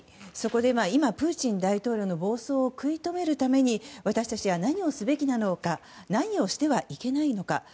そこで今プーチン大統領の暴走を食い止めるために私たちは何をすべきなのか何をしてはいけないのか。